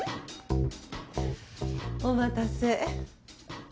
お待たせ。